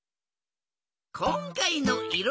こんかいのいろ